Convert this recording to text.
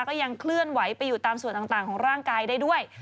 ก็ยังเคลื่อนไหวไปอยู่ตามส่วนต่างของร่างกายได้ด้วย